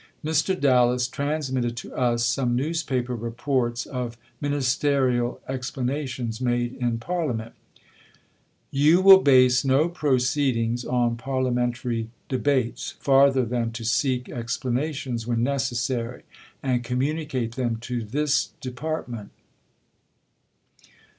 Mr. Dallas transmitted to us some newspaper reports of Ministerial explanations made in Parliament. EUKOPEAN NEUTRALITY 271 You will base no proceedings on parliamentary debates farther than to seek explanations when necessary and communicate them to this Department.